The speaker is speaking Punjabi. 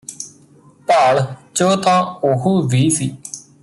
ਭਾਲ਼ ਚ ਤਾਂ ਉਹ ਵੀ ਸੀ